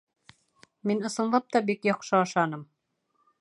Мин, ысынлап та, бик яҡшы ашаным